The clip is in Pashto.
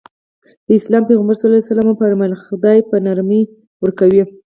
د اسلام پيغمبر ص وفرمايل خدای په نرمي ورکوي.